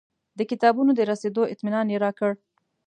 د کتابونو د رسېدو اطمنان یې راکړ.